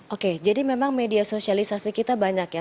oke jadi memang media sosialisasi kita banyak ya